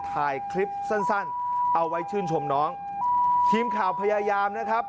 ถ่ายคลิปสั้นสั้นเอาไว้ชื่นชมน้องทีมข่าวพยายามนะครับ